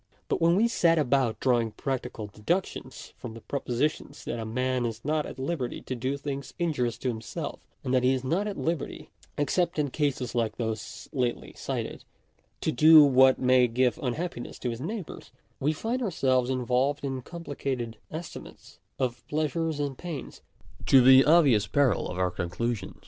But when we set about drawing practical deductions from the propositions that a man is not at liberty to do things injurious to himself, and that he is not at liberty (except in cases like those lately cited) to do what may give unhappiness to his neighbours, we find ourselves involved in complicated estimates of pleasures and pains, to the obvious peril of our conclusions.